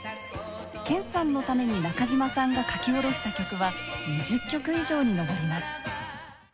研さんのために中島さんが書き下ろした曲は２０曲以上に上ります。